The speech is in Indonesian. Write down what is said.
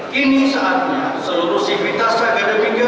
kini saatnya seluruh sivitas agademiknya